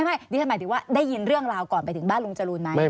ไม่ดิฉันหมายถึงว่าได้ยินเรื่องราวก่อนไปถึงบ้านลุงจรูนไหม